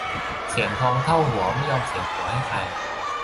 เสียทองเท่าหัวไม่ยอมเสียผัวให้ใคร